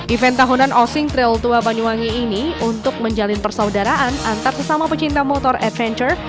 event tahunan osing trail tua banyuwangi ini untuk menjalin persaudaraan antar sesama pecinta motor adventure